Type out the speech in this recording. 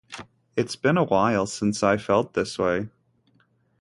It's been a while since I felt this way.